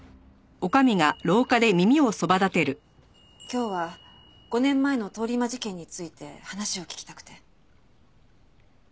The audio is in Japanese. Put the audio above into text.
今日は５年前の通り魔事件について話を聞きたくて。